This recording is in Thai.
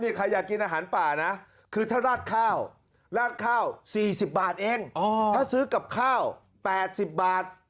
นี่ใครอยากกินอาหารป่านะก็ถ้าราดข้าว๔๐บาทเองถ้าซื้อกับข้าว๘๐บาท